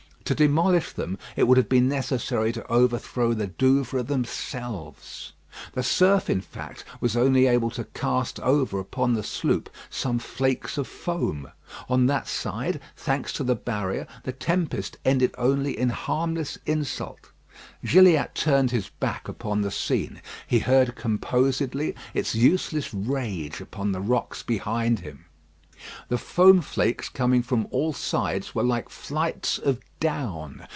To demolish them it would have been necessary to overthrow the Douvres themselves. The surf, in fact, was only able to cast over upon the sloop some flakes of foam. On that side, thanks to the barrier, the tempest ended only in harmless insult. Gilliatt turned his back upon the scene. He heard composedly its useless rage upon the rocks behind him. The foam flakes coming from all sides were like flights of down.